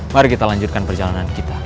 mari kita lanjutkan perjalanan kita